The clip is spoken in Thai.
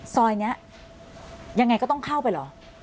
ซอยนี้ยังไงก็ต้องเข้าไปเหรอ